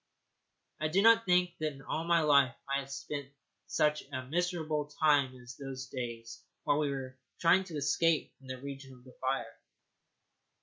I do not think that in all my life I have spent such a miserable time as during those days while we were trying to escape from the region of the fire.